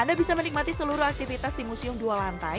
anda bisa menikmati seluruh aktivitas di museum dua lantai